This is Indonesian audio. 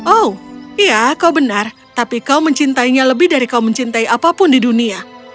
oh iya kau benar tapi kau mencintainya lebih dari kau mencintai apapun di dunia